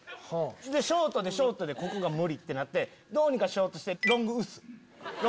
ショートでショートでここが無理！ってなってどうにかしようとして。